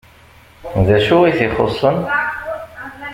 D acu i t-ixuṣṣen?